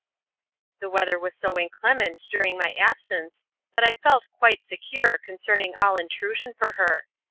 The weather was so inclement during my absence that I felt quite secure concerning all intrusion for her.